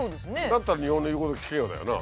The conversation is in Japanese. だったら日本の言うこと聞けよだよな。